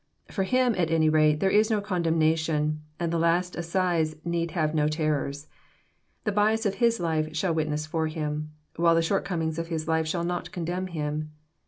For him, at any rate, there is no condemnation, and the last assize need have no terrors. The bias of his life shall witness for him ; while the short comings of his life shall not condemn him.